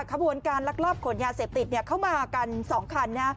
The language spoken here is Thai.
ขบวนการลักลาบขนยาเสพติดเนี่ยเข้ามากันสองคันน่ะ